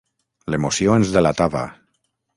L'emoció ens delatava...